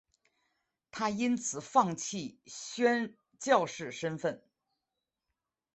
她因此放弃宣教士身分。